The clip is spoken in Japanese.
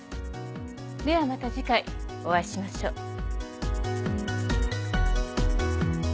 ではまた次回お会いしましょう。